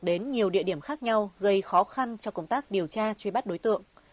đến nhiều địa điểm khác nhau gây khó khăn cho công tác điều tra truy bắt đối tượng